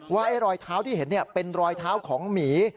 ว่าไอ้รอยเท้าที่เห็นเนี่ยเป็นรอยเท้าของหมี